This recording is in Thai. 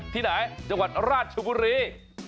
ที่ไหนจังหวัดราชบุรี